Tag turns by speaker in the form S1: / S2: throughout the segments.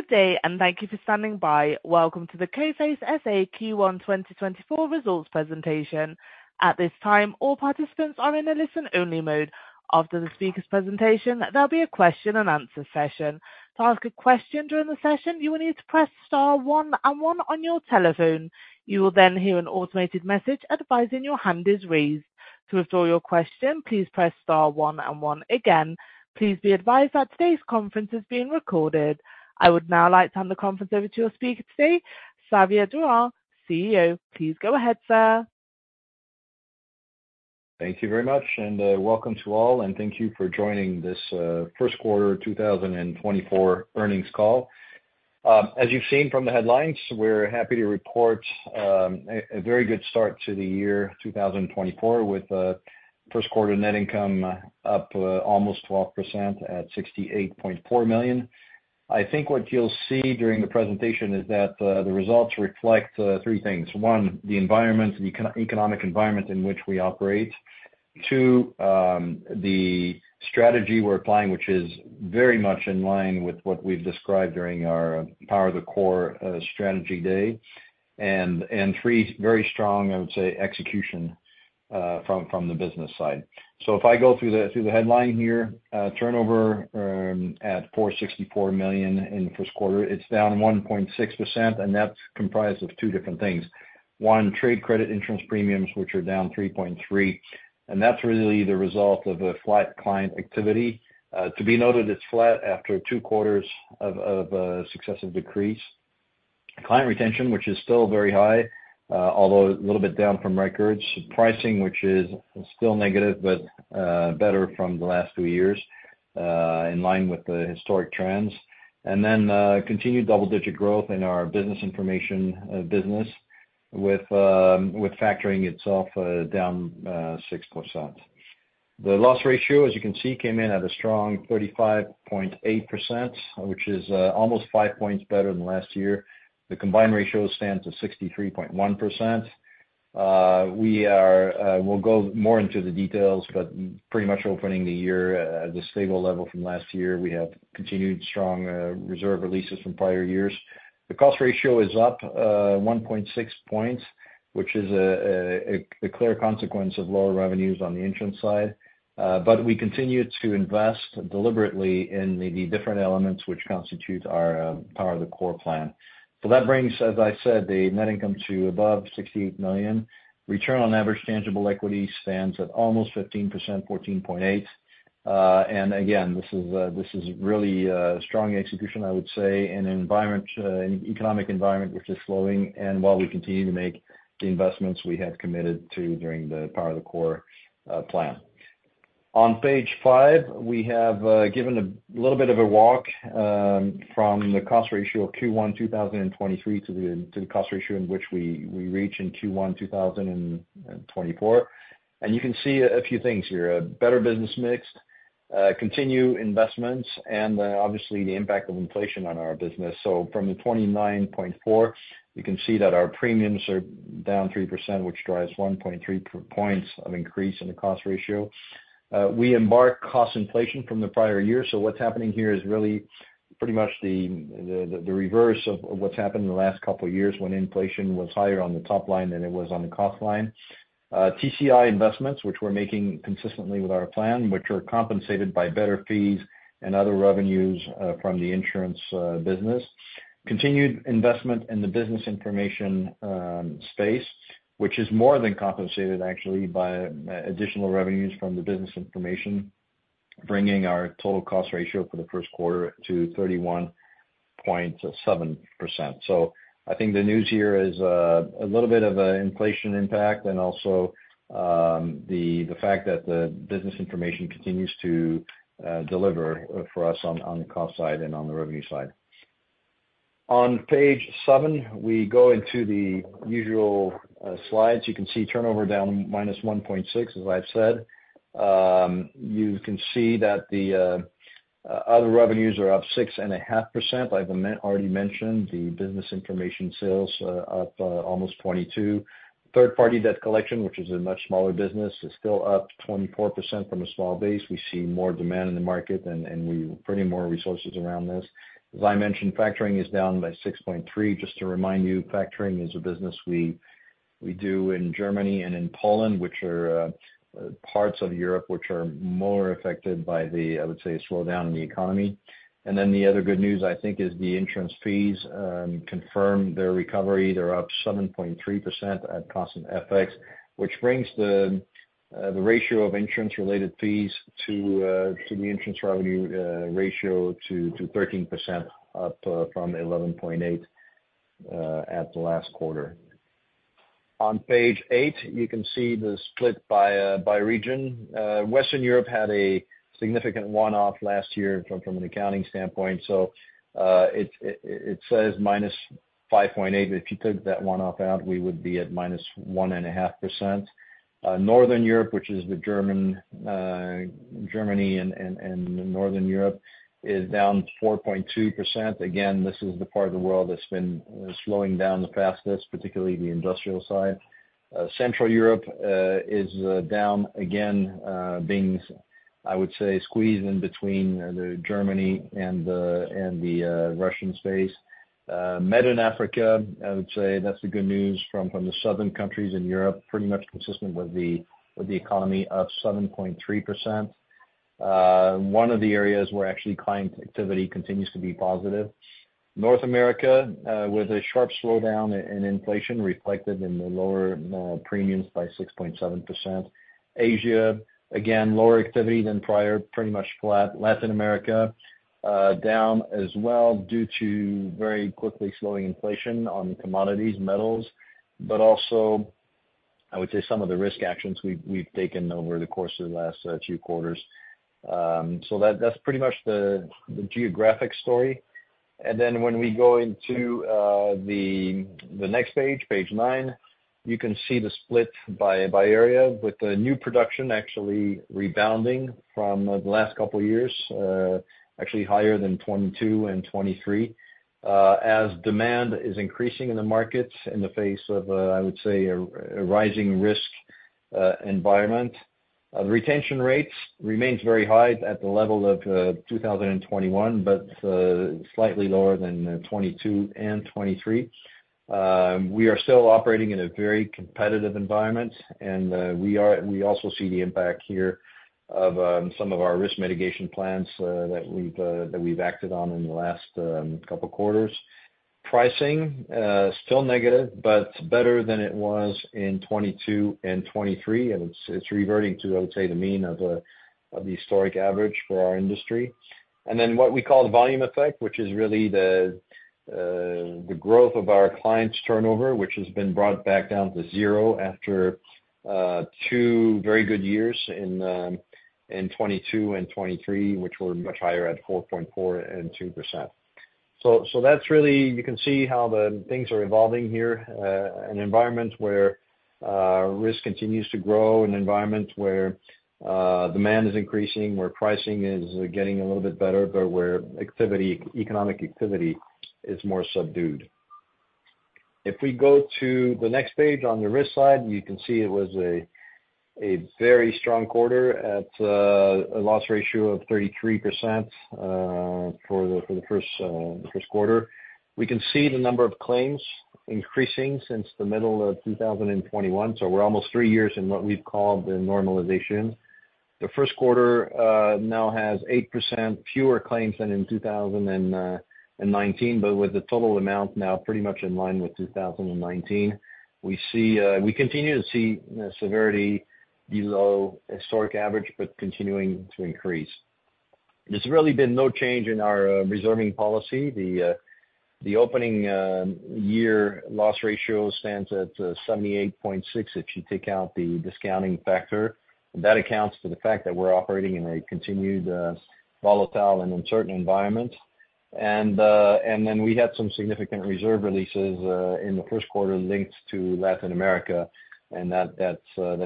S1: Good day, and thank you for standing by. Welcome to the Coface SA Q1 2024 results presentation. At this time, all participants are in a listen-only mode. After the speaker's presentation, there'll be a question and answer session. To ask a question during the session, you will need to press star one and one on your telephone. You will then hear an automated message advising your hand is raised. To restore your question, please press star one and one again. Please be advised that today's conference is being recorded. I would now like to hand the conference over to your speaker today, Xavier Durand, CEO. Please go ahead, sir.
S2: Thank you very much, and welcome to all, and thank you for joining this first quarter 2024 earnings call. As you've seen from the headlines, we're happy to report a very good start to the year 2024, with first quarter net income up almost 12% at 68.4 million. I think what you'll see during the presentation is that the results reflect three things. One, the environment, the economic environment in which we operate. Two, the strategy we're applying, which is very much in line with what we've described during our Power the Core strategy day. And three, very strong, I would say, execution from the business side. So if I go through the headline here, turnover at 464 million in the first quarter, it's down 1.6%, and that's comprised of two different things. One, trade credit insurance premiums, which are down 3.3%, and that's really the result of a flat client activity. To be noted, it's flat after two quarters of successive decrease. Client retention, which is still very high, although a little bit down from records. Pricing, which is still negative, but better from the last two years, in line with the historic trends. And then, continued double-digit growth in our Business Information business with factoring itself down 6%. The loss ratio, as you can see, came in at a strong 35.8%, which is almost 5 points better than last year. The combined ratio stands at 63.1%. We'll go more into the details, but pretty much opening the year at a stable level from last year. We have continued strong reserve releases from prior years. The cost ratio is up 1.6 points, which is a clear consequence of lower revenues on the insurance side. But we continue to invest deliberately in the different elements which constitute our Power the Core plan. So that brings, as I said, the net income to above 68 million. Return on Average Tangible Equity stands at almost 15%, 14.8. And again, this is really strong execution, I would say, in an environment, an economic environment which is slowing, and while we continue to make the investments we had committed to during the Power the Core plan. On page 5, we have given a little bit of a walk from the cost ratio of Q1 2023 to the cost ratio in which we reach in Q1 2024. And you can see a few things here, a better business mix, continued investments, and obviously, the impact of inflation on our business. So from the 29.4, you can see that our premiums are down 3%, which drives 1.3 points of increase in the cost ratio. We embed cost inflation from the prior year, so what's happening here is really pretty much the reverse of what's happened in the last couple of years when inflation was higher on the top line than it was on the cost line. TCI investments, which we're making consistently with our plan, which are compensated by better fees and other revenues from the insurance business. Continued investment in the Business Information space, which is more than compensated actually by additional revenues from the Business Information, bringing our total cost ratio for the first quarter to 31.7%. So I think the news here is a little bit of an inflation impact and also the fact that the Business Information continues to deliver for us on the cost side and on the revenue side. On page seven, we go into the usual slides. You can see turnover down -1.6%, as I've said. You can see that the other revenues are up 6.5%. Like I already mentioned, the business information sales up almost 22%. Third-party debt collection, which is a much smaller business, is still up 24% from a small base. We see more demand in the market and we bring more resources around this. As I mentioned, factoring is down by 6.3%. Just to remind you, factoring is a business we do in Germany and in Poland, which are parts of Europe which are more affected by the, I would say, slowdown in the economy. And then the other good news, I think, is the insurance fees confirm their recovery. They're up 7.3% at constant FX, which brings the ratio of insurance-related fees to the insurance revenue ratio to 13%, up from 11.8% at the last quarter. On page eight, you can see the split by region. Western Europe had a significant one-off last year from an accounting standpoint, so it says -5.8%, but if you took that one-off out, we would be at -1.5%. Northern Europe, which is the German, Germany and Northern Europe, is down 4.2%. Again, this is the part of the world that's been slowing down the fastest, particularly the industrial side. Central Europe is down again, being, I would say, squeezed in between Germany and the Russian space. Med and Africa, I would say that's the good news from the southern countries in Europe, pretty much consistent with the economy of 7.3%. One of the areas where actually client activity continues to be positive. North America, with a sharp slowdown in inflation reflected in the lower premiums by 6.7%. Asia, again, lower activity than prior, pretty much flat. Latin America, down as well due to very quickly slowing inflation on commodities, metals, but also, I would say some of the risk actions we've taken over the course of the last two quarters. So that's pretty much the geographic story. And then when we go into the next page, page 9, you can see the split by area, with the new production actually rebounding from the last couple of years, actually higher than 2022 and 2023. As demand is increasing in the markets in the face of I would say a rising risk environment. The retention rates remains very high at the level of 2021, but slightly lower than 2022 and 2023. We are still operating in a very competitive environment, and we also see the impact here of some of our risk mitigation plans that we've acted on in the last couple quarters. Pricing, still negative, but better than it was in 2022 and 2023, and it's, it's reverting to, I would say, the mean of, of the historic average for our industry. And then what we call the volume effect, which is really the, the growth of our clients' turnover, which has been brought back down to zero after, two very good years in, in 2022 and 2023, which were much higher at 4.4% and 2%. So, so that's really... You can see how the things are evolving here, an environment where, risk continues to grow, an environment where, demand is increasing, where pricing is getting a little bit better, but where activity, economic activity is more subdued. If we go to the next page on the risk side, you can see it was a very strong quarter at a loss ratio of 33%, for the first quarter. We can see the number of claims increasing since the middle of 2021, so we're almost three years in what we've called the normalization. The first quarter now has 8% fewer claims than in 2019, but with the total amount now pretty much in line with 2019. We see we continue to see the severity below historic average, but continuing to increase. There's really been no change in our reserving policy. The opening year loss ratio stands at 78.6, if you take out the discounting factor. That accounts for the fact that we're operating in a continued, volatile and uncertain environment. And, and then we had some significant reserve releases, in the first quarter linked to Latin America, and that's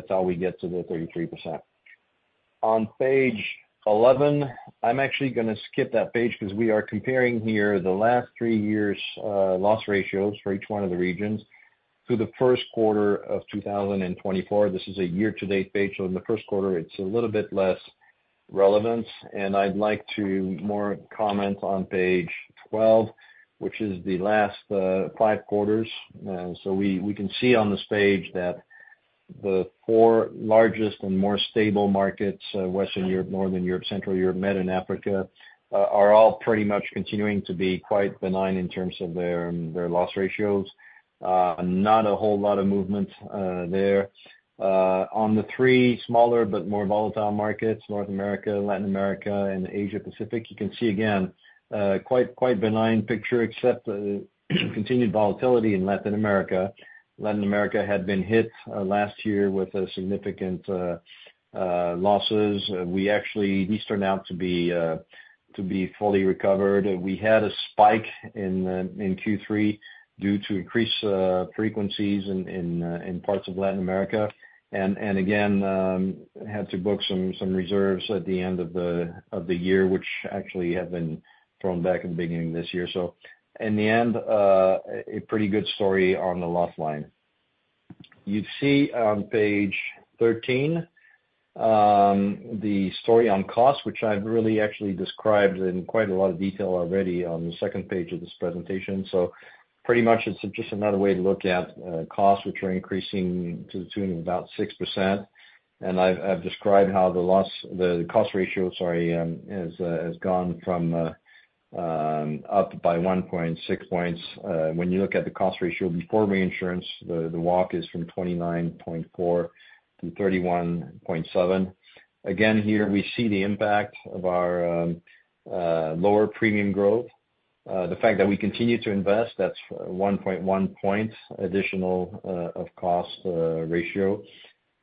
S2: how we get to the 33%. On page 11, I'm actually gonna skip that page because we are comparing here the last three years', loss ratios for each one of the regions to the first quarter of 2024. This is a year-to-date page, so in the first quarter, it's a little bit less relevance, and I'd like to more comment on page 12, which is the last, five quarters. So we can see on this page that the four largest and more stable markets, Western Europe, Northern Europe, Central Europe, Med and Africa, are all pretty much continuing to be quite benign in terms of their loss ratios. Not a whole lot of movement there. On the three smaller but more volatile markets, North America, Latin America, and Asia Pacific, you can see again quite benign picture, except continued volatility in Latin America. Latin America had been hit last year with a significant losses. We actually these turned out to be fully recovered. We had a spike in Q3 due to increased frequencies in parts of Latin America, and again, had to book some reserves at the end of the year, which actually have been thrown back in the beginning of this year. So in the end, a pretty good story on the loss line. You'd see on page 13, the story on cost, which I've really actually described in quite a lot of detail already on the second page of this presentation. So pretty much it's just another way to look at costs, which are increasing to the tune of about 6%. And I've described how the cost ratio, sorry, has gone up by 1.6 points. When you look at the cost ratio before reinsurance, the walk is from 29.4 to 31.7. Again, here we see the impact of our lower premium growth. The fact that we continue to invest, that's 1.1 points additional of cost ratio.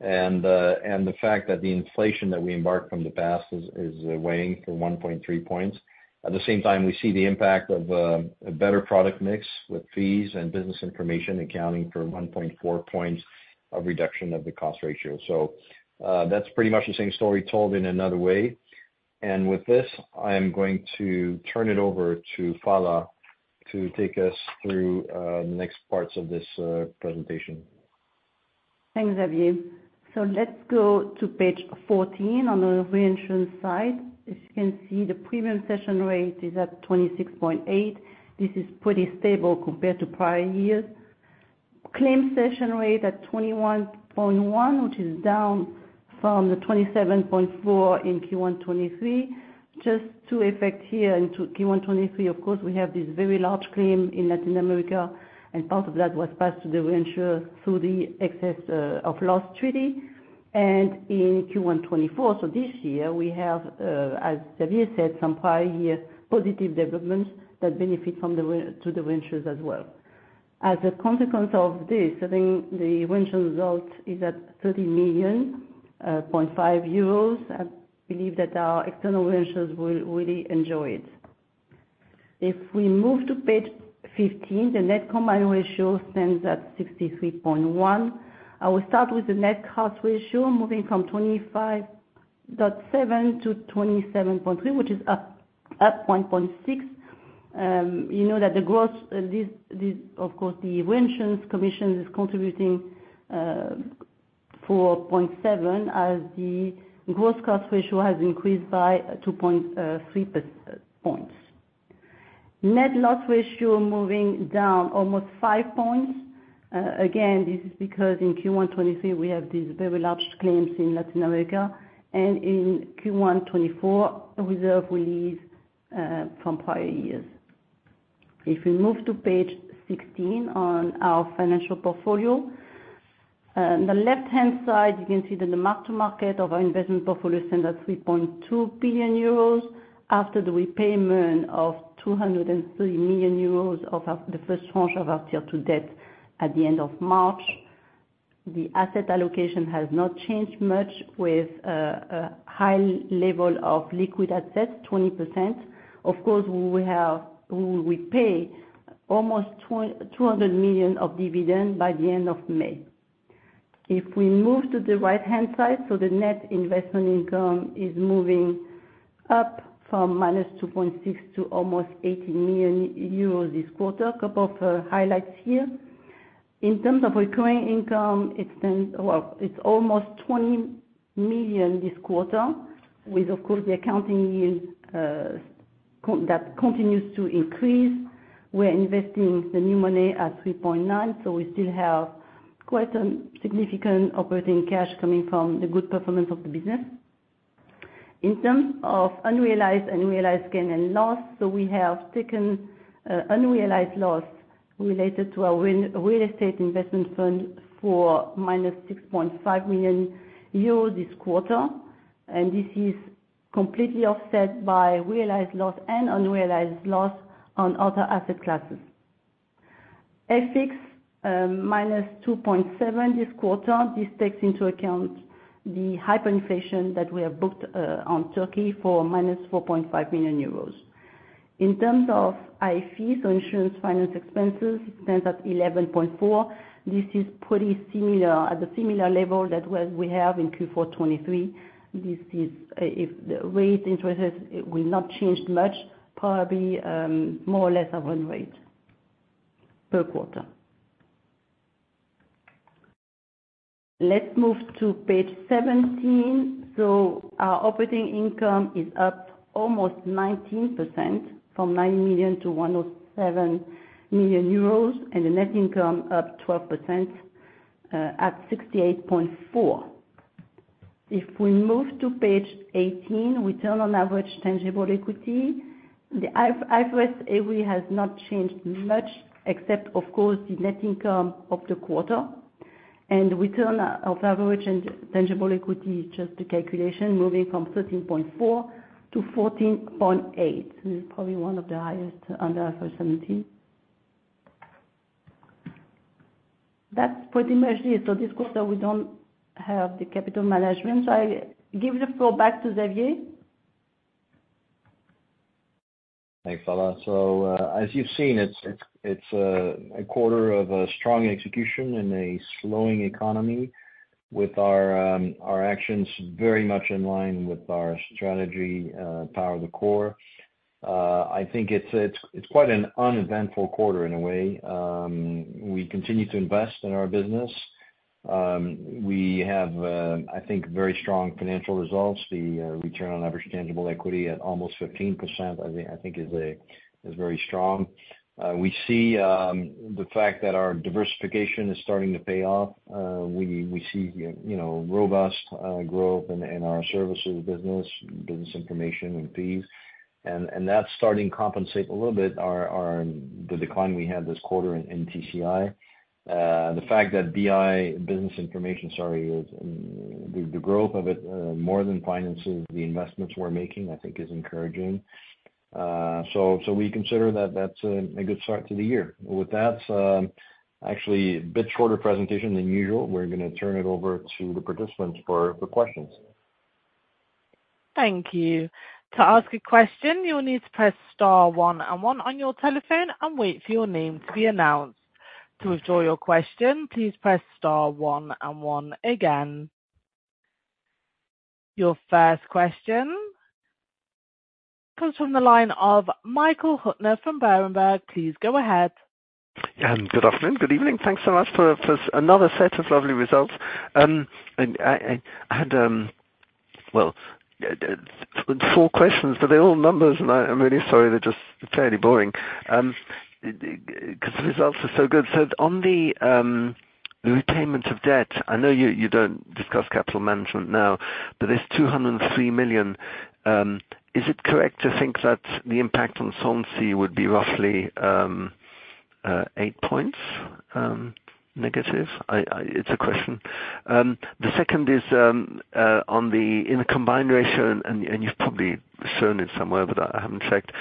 S2: And the fact that the inflation that we embarked from the past is weighing for 1.3 points. At the same time, we see the impact of a better product mix with fees and Business Information accounting for 1.4 points of reduction of the cost ratio. That's pretty much the same story told in another way. With this, I am going to turn it over to Phalla to take us through the next parts of this presentation....
S3: Thanks, Xavier. So let's go to page 14 on the reinsurance side. As you can see, the premium cession rate is at 26.8. This is pretty stable compared to prior years. Claim cession rate at 21.1, which is down from the 27.4 in Q1 2023. Just for context here, in Q1 2023, of course, we have this very large claim in Latin America, and part of that was passed to the reinsurer through the excess of loss treaty. And in Q1 2024, so this year, we have, as Xavier said, some prior year positive developments that benefit the reinsurers as well. As a consequence of this, I think the reinsurance result is at 30.5 million. I believe that our external reinsurers will really enjoy it. If we move to page 15, the net combined ratio stands at 63.1. I will start with the net cost ratio, moving from 25.7-27.3, which is up 1.6. You know that the gross, this, this of course, the reinsurers commission is contributing 4.7, as the gross cost ratio has increased by 2.3 percentage points. Net loss ratio moving down almost five points. Again, this is because in Q1 2023, we have these very large claims in Latin America, and in Q1 2024, a reserve release from prior years. If we move to page 16 on our financial portfolio, on the left-hand side, you can see that the mark-to-market of our investment portfolio stands at 3.2 billion euros after the repayment of 203 million euros of our, the first tranche of our Tier 2 debt at the end of March. The asset allocation has not changed much with a high level of liquid assets, 20%. Of course, we will repay almost two hundred million of dividend by the end of May. If we move to the right-hand side, so the net investment income is moving up from 2.6 million to almost 80 million euros this quarter. A couple of highlights here. In terms of recurring income, it's been, well, it's almost 20 million this quarter with, of course, the accounting yield contribution that continues to increase. We're investing the new money at 3.9, so we still have quite a significant operating cash coming from the good performance of the business. In terms of unrealized and realized gain and loss, so we have taken unrealized loss related to our real estate investment fund for -6.5 million euros this quarter, and this is completely offset by realized loss and unrealized loss on other asset classes. FX -2.7 this quarter. This takes into account the hyperinflation that we have booked on Turkey for -4.5 million euros. In terms of IFE, so insurance finance expenses, stands at 11.4 million. This is pretty similar, at a similar level that we have in Q4 2023. This is, if the interest rates will not change much, probably, more or less our run rate per quarter. Let's move to page 17. So our operating income is up almost 19% from 9 million to 107 million euros, and the net income up 12%, at 68.4 million. If we move to page 18, return on average tangible equity, the IFRS ATE has not changed much, except, of course, the net income of the quarter. And return on average tangible equity, just the calculation, moving from 13.4 -14.8. This is probably one of the highest under IFRS 17. That's pretty much it. So this quarter, we don't have the capital management, so I give the floor back to Xavier.
S2: Thanks, Phalla. So, as you've seen, it's a quarter of strong execution in a slowing economy with our actions very much in line with our strategy, Power the Core. I think it's quite an uneventful quarter in a way. We continue to invest in our business. We have, I think, very strong financial results. The Return on Average Tangible Equity at almost 15%, I think, is very strong. We see the fact that our diversification is starting to pay off. We see, you know, robust growth in our services business, Business Information and fees, and that's starting to compensate a little bit our the decline we had this quarter in TCI. The fact that BI, Business Information, sorry, is the growth of it more than finances the investments we're making, I think is encouraging. So we consider that that's a good start to the year. With that, actually a bit shorter presentation than usual, we're gonna turn it over to the participants for the questions.
S1: Thank you. To ask a question, you will need to press star one and one on your telephone and wait for your name to be announced. To withdraw your question, please press star one and one again.... Your first question comes from the line of Michael Huttner from Berenberg. Please go ahead.
S4: Good afternoon, good evening. Thanks so much for another set of lovely results. And I had well four questions, but they're all numbers, and I'm really sorry. They're just fairly boring, 'cause the results are so good. So on the repayment of debt, I know you don't discuss capital management now, but this 203 million, is it correct to think that the impact on solvency would be roughly eight points negative? It's a question. The second is on the combined ratio, and you've probably shown it somewhere, but I haven't checked,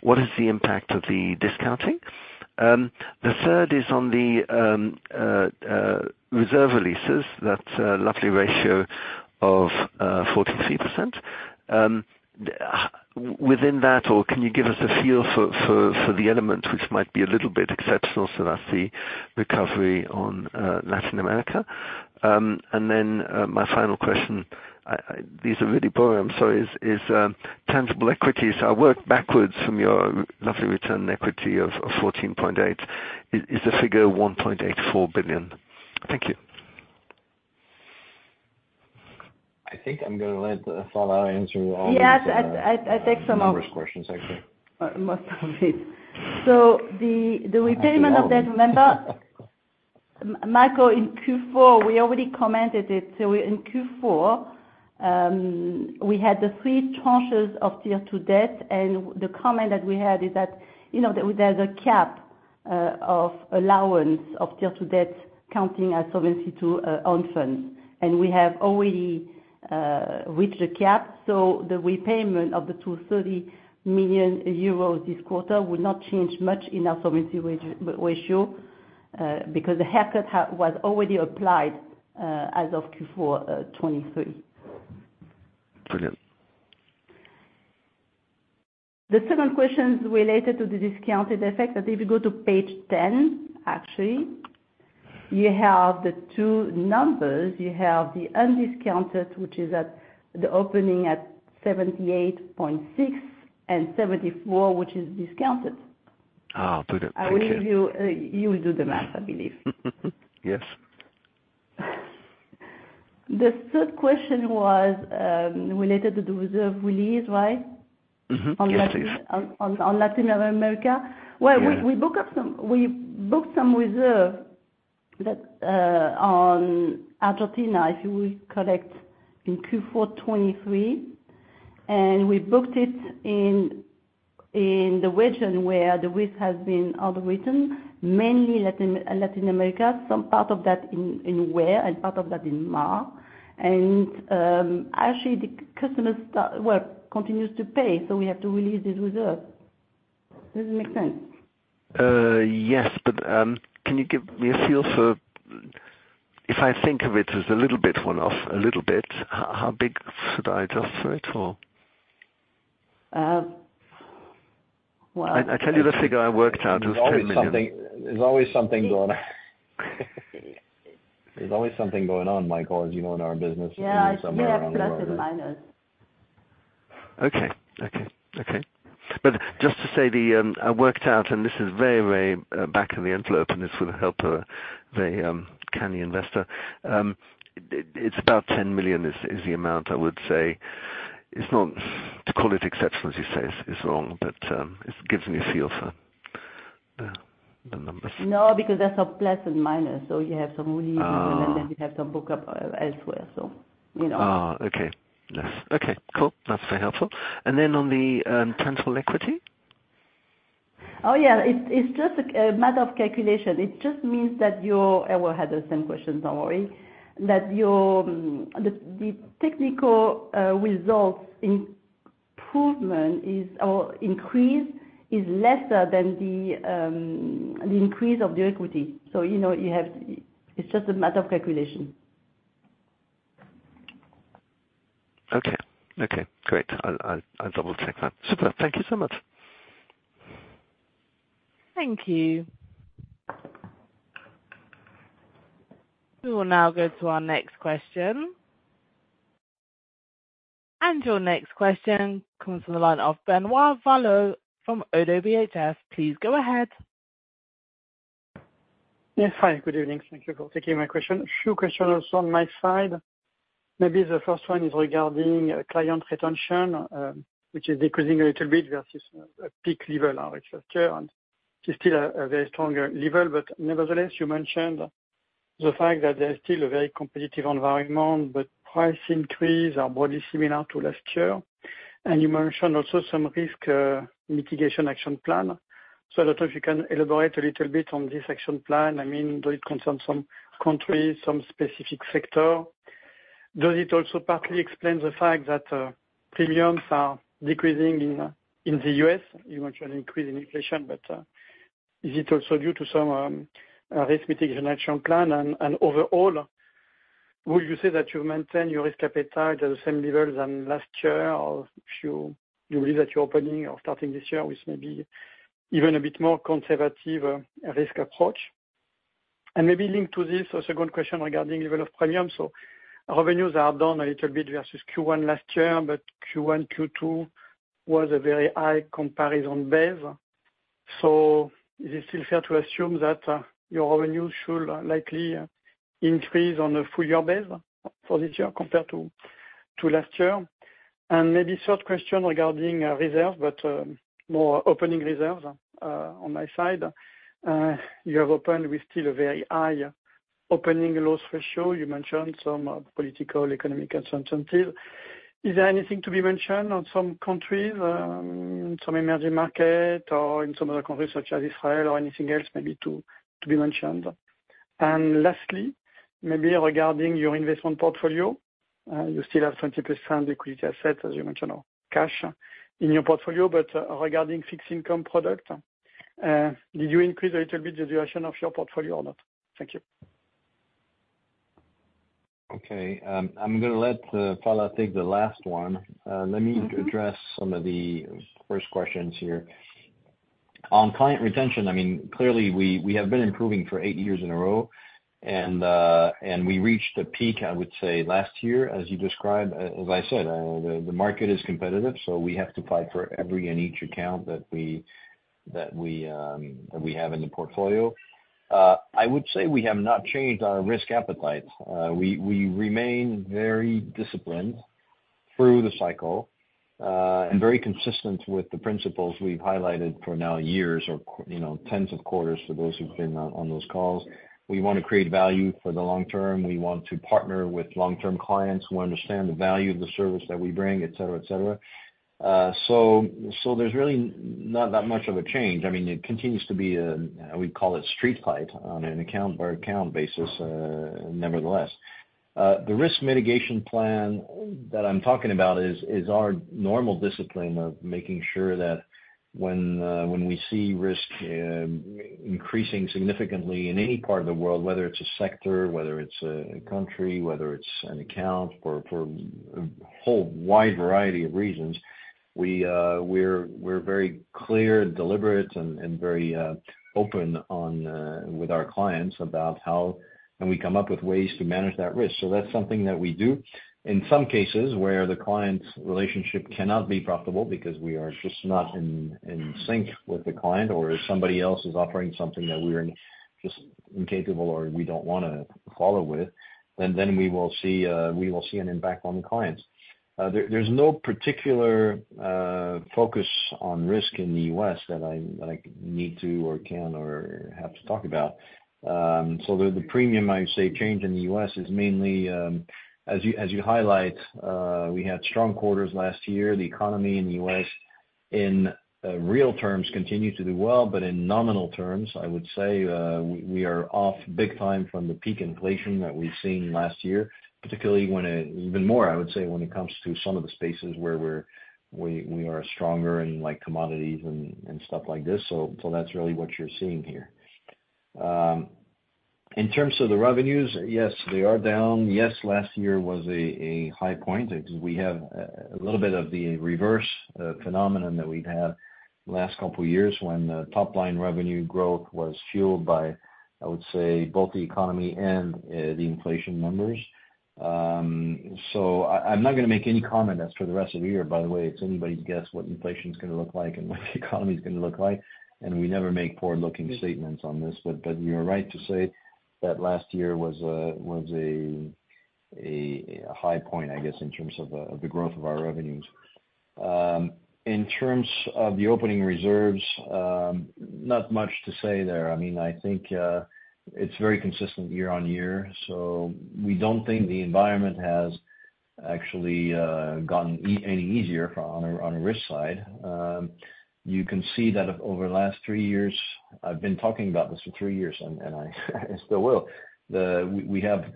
S4: what is the impact of the discounting? The third is on the reserve releases, that lovely ratio of 43%. Within that, or can you give us a feel for the element which might be a little bit exceptional, so that's the recovery on Latin America? And then my final question, these are really boring, I'm sorry, is tangible equities. I worked backwards from your lovely return equity of 14.8. Is the figure 1.84 billion? Thank you.
S2: I think I'm going to let Phalla answer all of the...
S3: Yes, I take some of them.
S2: numerous questions, actually.
S3: Most of it. So the repayment-
S2: I think all of them.
S3: Of that, remember, Michael, in Q4, we already commented it. So in Q4, we had the three tranches of Tier 2 debt, and the comment that we had is that, you know, that there's a cap of allowance of Tier 2 debt counting as solvency to own funds. And we have already reached the cap, so the repayment of the 230 million euros this quarter will not change much in our solvency ratio, because the haircut was already applied as of Q4 2023.
S4: Brilliant.
S3: The second question is related to the discounted effect. That if you go to page 10, actually, you have the two numbers. You have the undiscounted, which is at the opening at 78.6%, and 74%, which is discounted.
S4: Ah, good. Thank you.
S3: I leave you, you will do the math, I believe.
S4: Yes.
S3: The third question was related to the reserve release, right?
S4: Mm-hmm. Yes, please.
S3: On Latin America?
S4: Yeah.
S3: Well, we booked some reserve that on Argentina, if you will, collected in Q4 2023. And we booked it in the region where the risk has been underwritten, mainly Latin America, some part of that in Africa and part of that in Med. And actually, the customers continue to pay, so we have to release this reserve. Does it make sense?
S4: Yes, but, can you give me a feel for... If I think of it as a little bit one-off, a little bit, how big should I adjust for it, or?
S3: Uh, well-
S4: I tell you the figure I worked out, it was 10 million.
S2: There's always something, there's always something going on. There's always something going on, Michael, as you know, in our business-
S3: Yeah
S2: somewhere along the line.
S3: Yeah, plus and minus.
S4: Okay. Okay, okay. But just to say the I worked out, and this is very, very back of the envelope, and this would help the canny investor. It's about 10 million is the amount I would say. It's not to call it exceptional, as you say, is wrong, but it gives me a feel for the the numbers.
S3: No, because that's a plus and minus, so you have some release-
S4: Ah.
S3: and then you have some book up elsewhere, so you know.
S4: Ah, okay. Yes. Okay, cool. That's very helpful. And then, on the, tangible equity?
S3: Oh, yeah. It's just a matter of calculation. It just means that your... I will have the same question, don't worry. That your technical results improvement or increase is lesser than the increase of the equity. So, you know, you have. It's just a matter of calculation.
S4: Okay. Okay, great. I'll double-check that. Superb. Thank you so much.
S1: Thank you. We will now go to our next question. Your next question comes from the line of Benoit Valleaux from ODDO BHF. Please go ahead.
S5: Yes. Hi, good evening. Thank you for taking my question. A few questions on my side. Maybe the first one is regarding client retention, which is decreasing a little bit versus a peak level on which last year, and it's still a very stronger level. But nevertheless, you mentioned the fact that there's still a very competitive environment, but price increase are broadly similar to last year. And you mentioned also some risk mitigation action plan. So I don't know if you can elaborate a little bit on this action plan. I mean, does it concern some countries, some specific sector? Does it also partly explain the fact that premiums are decreasing in the U.S? You mentioned increase in inflation, but is it also due to some risk mitigation action plan? And overall, would you say that you've maintained your risk appetite at the same level than last year, or if you believe that you're opening or starting this year with maybe even a bit more conservative risk approach? And maybe linked to this, a second question regarding level of premium. So revenues are down a little bit versus Q1 last year, but Q1, Q2 was a very high comparison base. So is it still fair to assume that your revenues should likely increase on a full year base for this year compared to last year? And maybe third question regarding reserves, but more opening reserves on my side. You have opened with still a very high opening loss ratio. You mentioned some political, economic uncertainties. Is there anything to be mentioned on some countries, some emerging market or in some other countries, such as Israel or anything else maybe to be mentioned? And lastly, maybe regarding your investment portfolio, you still have 20% equity asset, as you mentioned, or cash in your portfolio. But regarding fixed income product, did you increase a little bit the duration of your portfolio or not? Thank you.
S2: Okay, I'm gonna let Phalla take the last one. Let me address some of the first questions here. On client retention, I mean, clearly, we have been improving for eight years in a row, and we reached a peak, I would say, last year, as you described. As I said, the market is competitive, so we have to fight for every and each account that we have in the portfolio. I would say we have not changed our risk appetite. We remain very disciplined through the cycle, and very consistent with the principles we've highlighted for now years or you know, tens of quarters for those who've been on those calls. We want to create value for the long term. We want to partner with long-term clients who understand the value of the service that we bring, et cetera, et cetera. So there's really not that much of a change. I mean, it continues to be, we call it street fight on an account-by-account basis, nevertheless. The risk mitigation plan that I'm talking about is our normal discipline of making sure that when we see risk increasing significantly in any part of the world, whether it's a sector, whether it's a country, whether it's an account for a whole wide variety of reasons, we're very clear and deliberate and very open on with our clients about how... and we come up with ways to manage that risk. So that's something that we do. In some cases, where the client's relationship cannot be profitable because we are just not in sync with the client, or if somebody else is offering something that we're just incapable or we don't wanna follow with, then we will see an impact on the clients. There's no particular focus on risk in the U.S that I need to or can or have to talk about. So the premium, I'd say, change in the U.S is mainly, as you highlight, we had strong quarters last year. The economy in the U.S. in real terms continued to do well, but in nominal terms, I would say we are off big time from the peak inflation that we've seen last year, particularly even more, I would say, when it comes to some of the spaces where we're stronger in, like, commodities and stuff like this. So that's really what you're seeing here. In terms of the revenues, yes, they are down. Yes, last year was a high point. We have a little bit of the reverse phenomenon that we've had the last couple years when the top-line revenue growth was fueled by, I would say, both the economy and the inflation numbers. So I'm not gonna make any comment as for the rest of the year, by the way. It's anybody's guess what inflation's gonna look like and what the economy's gonna look like, and we never make forward-looking statements on this. But you are right to say that last year was a high point, I guess, in terms of the growth of our revenues. In terms of the opening reserves, not much to say there. I mean, I think it's very consistent year on year, so we don't think the environment has actually gotten any easier from, on a risk side. You can see that over the last three years, I've been talking about this for three years, and still will, we have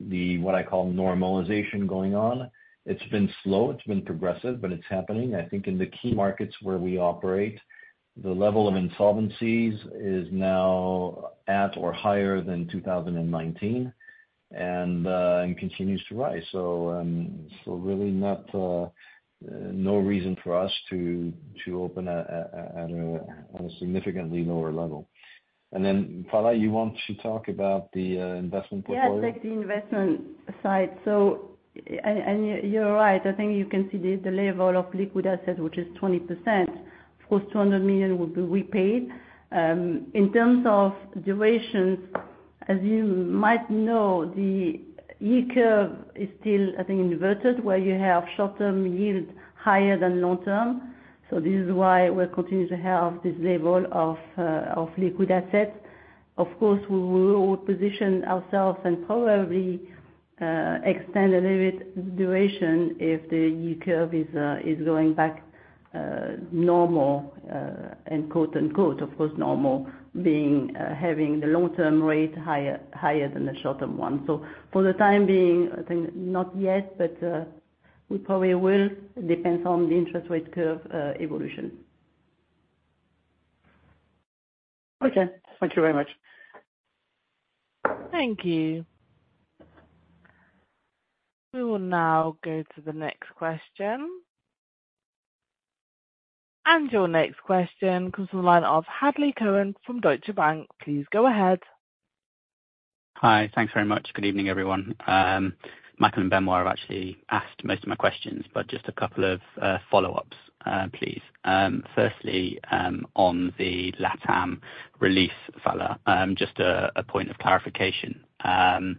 S2: the what I call normalization going on. It's been slow, it's been progressive, but it's happening. I think in the key markets where we operate, the level of insolvencies is now at or higher than 2019 and continues to rise. So, really no reason for us to open at a significantly lower level. And then, Phalla, you want to talk about the investment portfolio?
S3: Yeah, I'll take the investment side. So and you, you're right, I think you can see the, the level of liquid assets, which is 20%. Of course, 200 million will be repaid. In terms of durations, as you might know, the yield curve is still, I think, inverted, where you have short-term yield higher than long term. So this is why we're continuing to have this level of, of liquid assets. Of course, we will position ourselves and probably, extend a little bit duration if the yield curve is, is going back, normal, and quote, unquote, of course, normal being, having the long-term rate higher, higher than the short-term one. So for the time being, I think not yet, but, we probably will, depends on the interest rate curve, evolution.
S6: Okay. Thank you very much.
S1: Thank you. We will now go to the next question. Your next question comes from the line of Hadley Cohen from Deutsche Bank. Please go ahead.
S7: Hi. Thanks very much. Good evening, everyone. Michael and Benoit have actually asked most of my questions, but just a couple of follow-ups, please. Firstly, on the LatAm relief, Phalla, just a point of clarification. And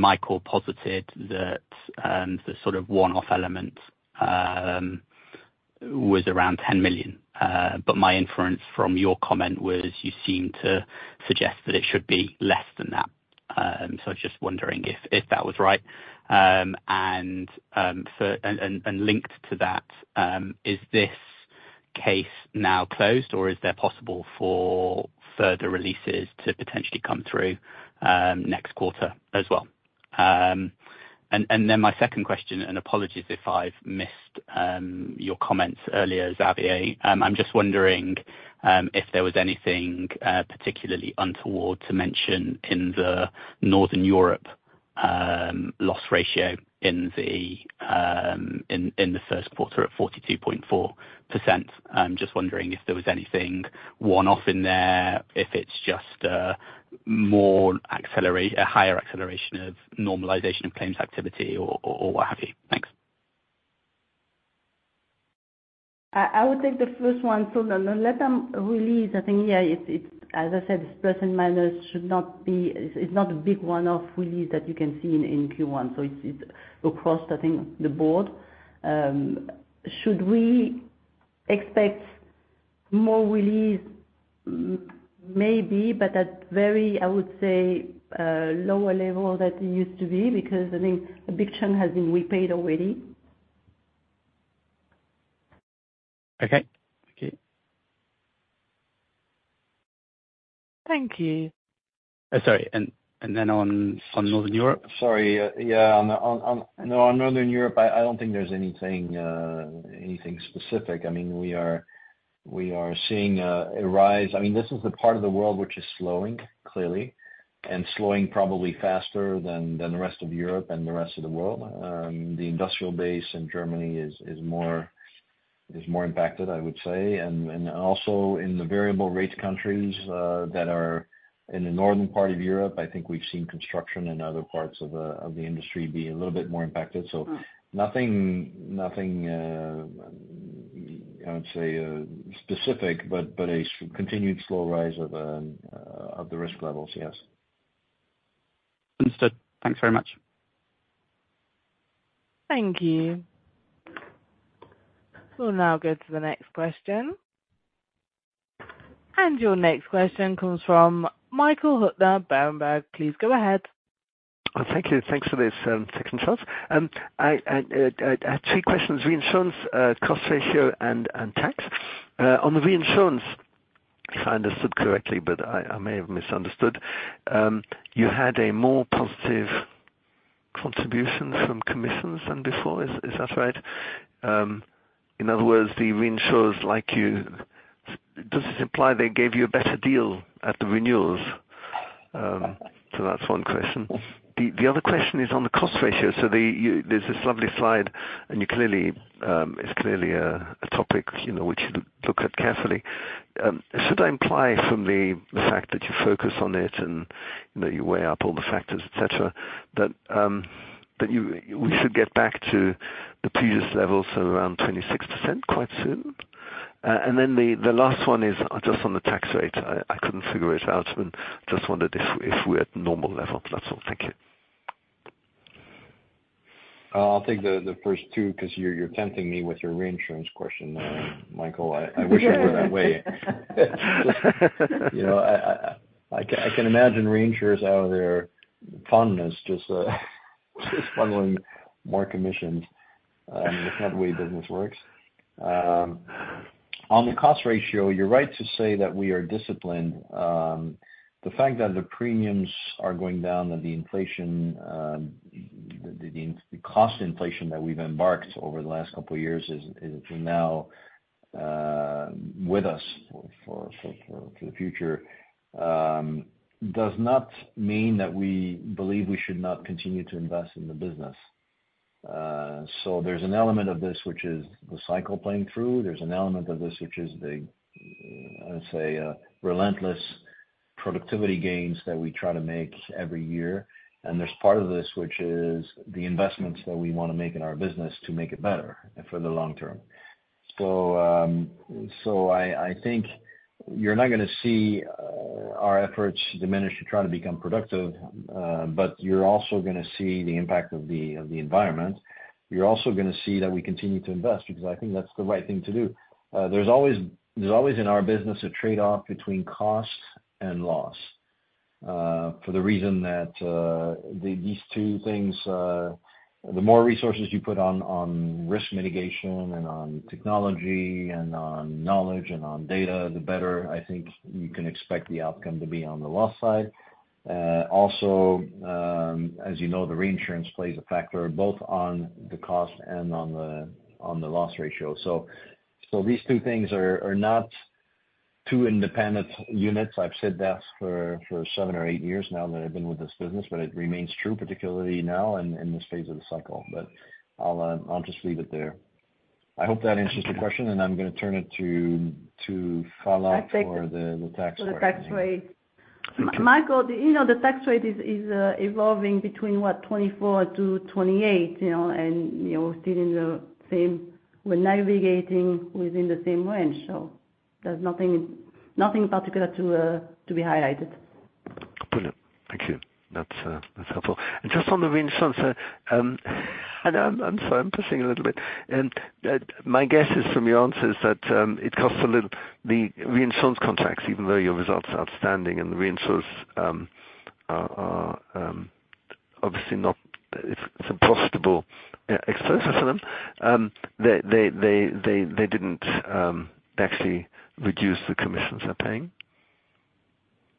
S7: Michael posited that the sort of one-off element was around 10 million, but my inference from your comment was you seemed to suggest that it should be less than that. So I was just wondering if that was right. And linked to that, is this case now closed, or is there possible for further releases to potentially come through next quarter as well? And then my second question, and apologies if I've missed your comments earlier, Xavier. I'm just wondering if there was anything particularly untoward to mention in the Northern Europe loss ratio in the first quarter at 42.4%. I'm just wondering if there was anything one-off in there, if it's just a higher acceleration of normalization of claims activity or what have you? Thanks.
S3: I would take the first one. So the LatAm release, I think, yeah, it's, as I said, it's plus and minus. It should not be a big one-off release that you can see in Q1, so it's across, I think, the board. Should we expect more release? Maybe, but at very, I would say, lower level than it used to be, because I think a big chunk has been repaid already.
S7: Okay. Okay.
S3: Thank you.
S7: Sorry, and then on Northern Europe?
S2: Sorry, yeah, on Northern Europe, I don't think there's anything specific. I mean, we are seeing a rise. I mean, this is the part of the world which is slowing, clearly, and slowing probably faster than the rest of Europe and the rest of the world. The industrial base in Germany is more impacted, I would say. And also in the variable rate countries that are in the northern part of Europe, I think we've seen construction and other parts of the industry be a little bit more impacted. So nothing, I would say, specific, but a continued slow rise of the risk levels, yes.
S7: Understood. Thanks very much.
S1: Thank you. We'll now go to the next question. Your next question comes from Michael Huttner, Berenberg. Please go ahead.
S4: Thank you. Thanks for this second shot. I have three questions: reinsurance, cost ratio, and tax. On the reinsurance, if I understood correctly, but I may have misunderstood, you had a more positive contribution from commissions than before, is that right? In other words, the reinsurers like you. Does it imply they gave you a better deal at the renewals? So that's one question. The other question is on the cost ratio. So there's this lovely slide, and you clearly, it's clearly a topic, you know, which you look at carefully. Should I imply from the fact that you focus on it, and you know, you weigh up all the factors, et cetera, that we should get back to the previous levels of around 26% quite soon? And then the last one is just on the tax rate. I couldn't figure it out, and just wondered if we're at normal level. That's all. Thank you.
S2: I'll take the first two, 'cause you're tempting me with your reinsurance question there, Michael. I wish it were that way. You know, I can imagine reinsurers out of their fondness, just funneling more commissions. That's not the way business works. On the cost ratio, you're right to say that we are disciplined. The fact that the premiums are going down and the inflation, the cost inflation that we've embarked over the last couple of years is now with us for the future does not mean that we believe we should not continue to invest in the business. So, there's an element of this which is the cycle playing through. There's an element of this which is the, let's say, relentless productivity gains that we try to make every year, and there's part of this which is the investments that we wanna make in our business to make it better for the long term. So, I think you're not gonna see our efforts diminish to try to become productive, but you're also gonna see the impact of the environment. You're also gonna see that we continue to invest, because I think that's the right thing to do. There's always, there's always in our business a trade-off between cost and loss, for the reason that these two things, the more resources you put on risk mitigation, and on technology, and on knowledge, and on data, the better, I think, you can expect the outcome to be on the loss side. Also, as you know, the reinsurance plays a factor both on the cost and on the loss ratio. So these two things are not two independent units. I've said that for seven or eight years now that I've been with this business, but it remains true, particularly now in this phase of the cycle. But I'll just leave it there. I hope that answers the question, and I'm gonna turn it to Phalla for the tax rate.
S3: For the tax rate. Michael, you know, the tax rate is evolving between what? 24%-28%, you know, and, you know, still in the same... We're navigating within the same range, so there's nothing in particular to be highlighted.
S4: Brilliant. Thank you. That's helpful. And just on the reinsurance, and I'm sorry, I'm pushing a little bit. And, my guess is from your answers, that it costs a little, the reinsurance contracts, even though your results are outstanding, and the reinsurers are obviously not, it's a profitable exposure for them. They didn't actually reduce the commissions they're paying?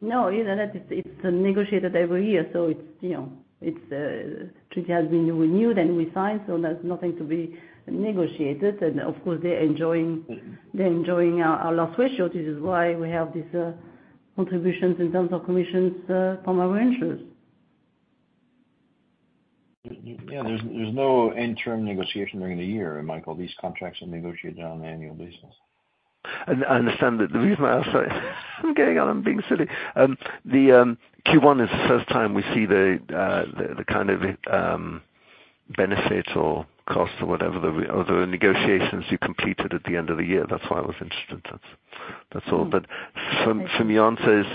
S3: No, you know that it's negotiated every year, so it's, you know, the treaty has been renewed and re-signed, so there's nothing to be negotiated. And of course, they're enjoying our loss ratio, which is why we have these contributions in terms of commissions from our reinsurers.
S2: Yeah, there's no interim negotiation during the year, Michael. These contracts are negotiated on an annual basis.
S4: I understand that. The reason I asked, I'm going on, I'm being silly. Q1 is the first time we see the kind of benefits or costs or whatever, or the negotiations you completed at the end of the year. That's why I was interested. That's all. But from your answers,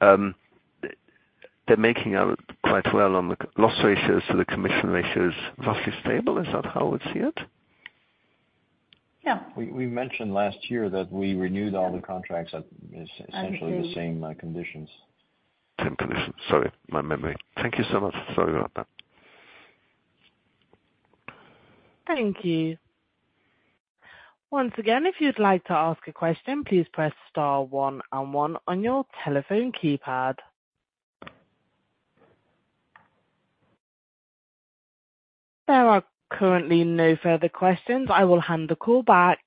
S4: they're making out quite well on the loss ratios, so the combined ratio is roughly stable. Is that how I would see it?
S3: Yeah.
S2: We mentioned last year that we renewed all the contracts at essentially-
S3: I agree...
S2: the same conditions.
S4: Same conditions. Sorry, my memory. Thank you so much. Sorry about that.
S1: Thank you. Once again, if you'd like to ask a question, please press star one and one on your telephone keypad. There are currently no further questions. I will hand the call back.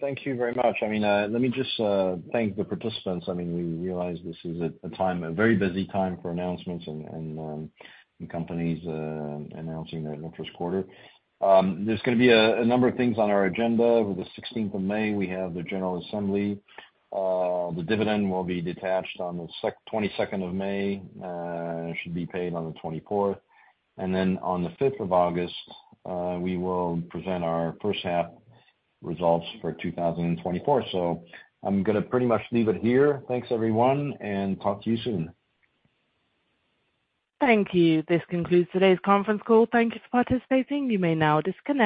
S2: Thank you very much. I mean, let me just thank the participants. I mean, we realize this is a very busy time for announcements and companies announcing their first quarter. There's gonna be a number of things on our agenda. On the sixteenth of May, we have the general assembly. The dividend will be detached on the twenty-second of May, should be paid on the twenty-fourth. And then on the fifth of August, we will present our first half results for 2024. So I'm gonna pretty much leave it here. Thanks, everyone, and talk to you soon.
S1: Thank you. This concludes today's conference call. Thank you for participating. You may now disconnect.